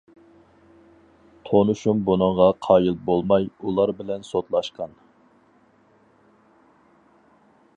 تونۇشۇم بۇنىڭغا قايىل بولماي، ئۇلار بىلەن سوتلاشقان.